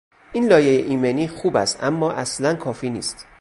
این لایه ایمنی خوب است اما اصلا کافی نیست.